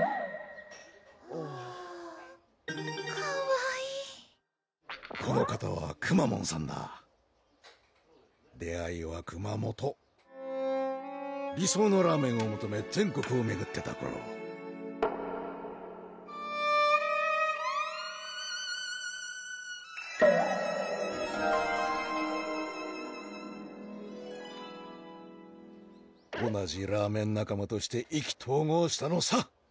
かわいいこの方はくまモンさんだ出会いは熊本理想のラーメンをもとめ全国をめぐってた頃同じラーメン仲間として意気投合したのさ！